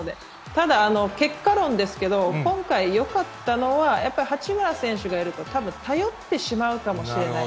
ただ、結果論ですけど、今回、よかったのは、やっぱり八村選手がいると、たぶん頼ってしまうかもしれない。